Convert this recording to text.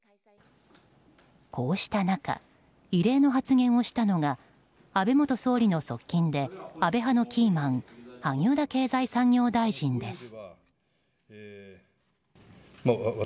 こうした中異例の発言をしたのが安倍元総理の側近で安倍派のキーマン萩生田経済産業大臣です。